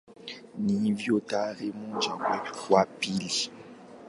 Hivyo tarehe moja mwezi wa pili